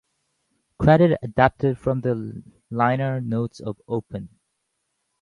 Credits adapted from the liner notes of "Open".